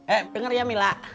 eh denger ya mila